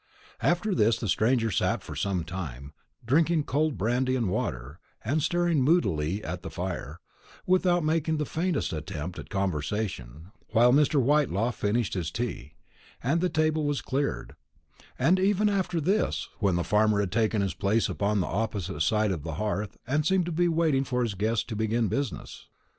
After this the stranger sat for some time, drinking cold brandy and water, and staring moodily at the fire, without making the faintest attempt at conversation, while Mr. Whitelaw finished his tea, and the table was cleared; and even after this, when the farmer had taken his place upon the opposite side of the hearth, and seemed to be waiting for his guest to begin business.